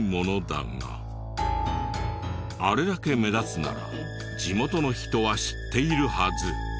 あれだけ目立つなら地元の人は知っているはず。